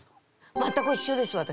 全く一緒です私。